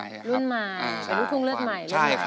เป็นลูกทุ่งเลือดใหม่